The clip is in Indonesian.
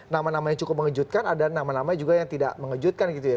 nama nama yang cukup mengejutkan ada nama nama juga yang tidak mengejutkan gitu ya